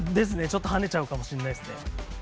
ちょっと跳ねちゃうかもしれないですね。